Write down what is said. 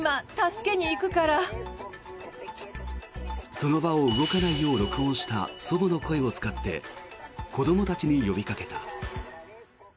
その場を動かないよう録音した祖母の声を使って子どもたちに呼びかけた。